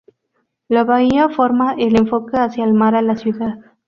La bahía forma el enfoque hacia el mar a la ciudad.